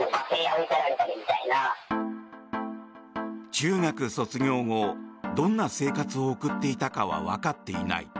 中学卒業後どんな生活を送っていたかはわかっていない。